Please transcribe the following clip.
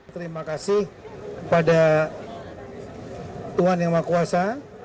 terima kasih kepada tuhan yang maha kuasa